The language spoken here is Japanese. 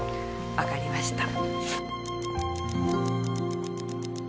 分かりました